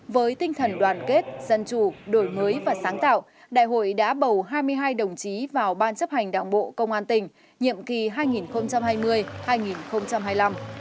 với tinh thần đoàn kết dân chủ đổi mới và sáng tạo đại hội đã bầu hai mươi hai đồng chí vào ban chấp hành đảng bộ công an tỉnh nhiệm kỳ hai nghìn hai mươi hai nghìn hai mươi năm